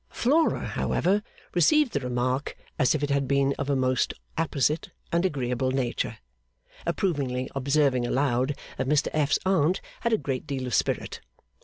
Flora, however, received the remark as if it had been of a most apposite and agreeable nature; approvingly observing aloud that Mr F.'s Aunt had a great deal of spirit.